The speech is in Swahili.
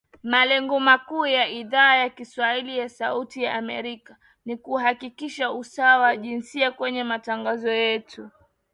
Malengo makuu ya Idhaa ya kiswahili ya Sauti ya Amerika ni kuhakikisha usawa wa jinsia kwenye matangazo yetu kwa kuongeza sauti za wanawake na vijana.